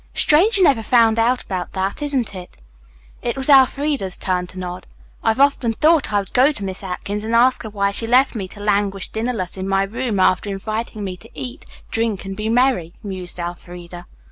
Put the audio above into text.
"Strange you never found out about that, isn't it?" It was Elfreda's turn to nod. "I have often thought I would go to Miss Atkins and ask her why she left me to languish dinnerless in my room after inviting me to eat, drink and be merry," mused Elfreda.